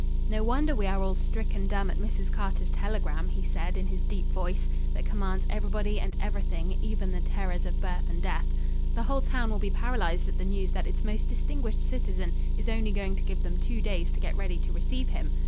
"No wonder we are all stricken dumb at Mrs. Carter's telegram," he said in his deep voice that commands everybody and everything, even the terrors of birth and death. "The whole town will be paralysed at the news that its most distinguished citizen is only going to give them two days to get ready to receive him.